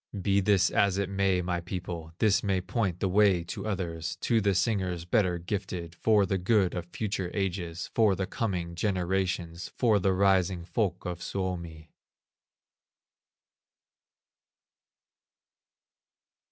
Be this as it may, my people, This may point the way to others, To the singers better gifted, For the good of future ages, For the coming generations, For the rising folk of Suomi.